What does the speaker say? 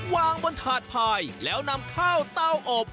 วางบนถาดพายแล้วนำข้าวเต้าอบ